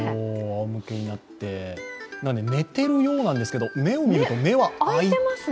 あおむけになって、寝ているようなんですけど目を見ると、目は開いてる。